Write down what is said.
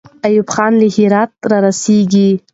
ایوب خان له هراته را رسېږي.